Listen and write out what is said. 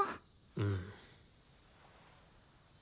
うん。